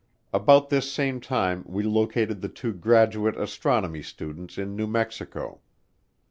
About this same time we located the two graduate astronomy students in New Mexico.